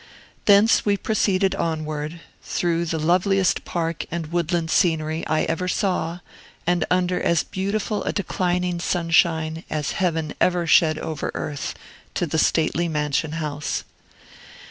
Thence we proceeded onward, through the loveliest park and woodland scenery I ever saw, and under as beautiful a declining sunshine as heaven ever shed over earth, to the stately mansion house.